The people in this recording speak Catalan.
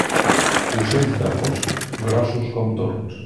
Ocells d'agost, grossos com tords.